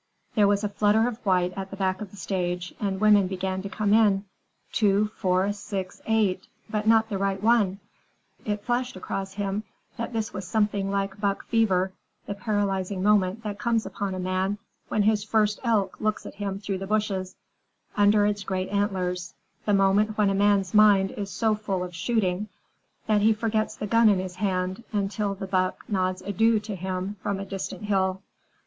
There was a flutter of white at the back of the stage, and women began to come in: two, four, six, eight, but not the right one. It flashed across him that this was something like buck fever, the paralyzing moment that comes upon a man when his first elk looks at him through the bushes, under its great antlers; the moment when a man's mind is so full of shooting that he forgets the gun in his hand until the buck nods adieu to him from a distant hill.